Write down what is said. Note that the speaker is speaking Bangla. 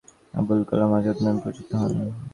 তিনি সময়ের আবর্তনে মওলানা আবুল কালাম আজাদ নামে পরিচিত হন।